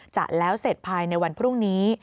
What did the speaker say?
จะแล้วเสร็จภายในวันพรุ่งนี้